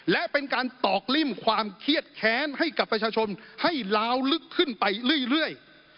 และเป็นการตอกลิ่มความเครียดแค้นให้กับประชาชนให้ล้าวลึกขึ้นไปเรื่อย